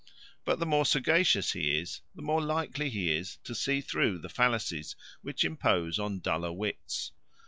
But the more sagacious he is, the more likely he is to see through the fallacies which impose on duller wits.